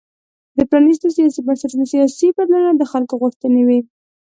د پرانیستو سیاسي بنسټونو سیاسي بدلونونه د خلکو غوښتنې وې.